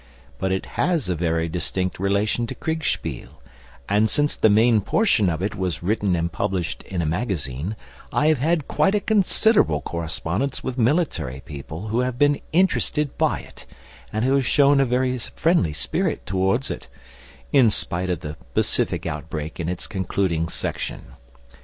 But it has a very distinct relation to Kriegspiel; and since the main portion of it was written and published in a magazine, I have had quite a considerable correspondence with military people who have been interested by it, and who have shown a very friendly spirit towards it in spite of the pacific outbreak in its concluding section.